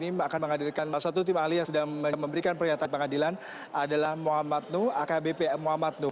ratu memang agenda sidang hari ini akan menghadirkan satu tim ahli yang sedang memberikan pernyataan di pengadilan adalah muhammad nu akbpm muhammad nu